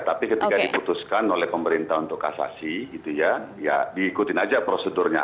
tapi ketika diputuskan oleh pemerintah untuk kasasi gitu ya ya diikutin aja prosedurnya